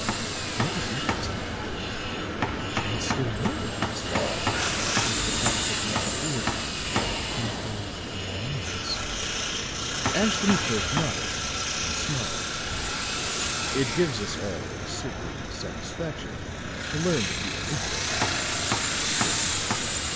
That is interesting. And still more interesting is the fact that you could do it in a very few moments." Ashton Kirk nodded and smiled. "It gives us all a certain satisfaction to learn that we are interesting," said he.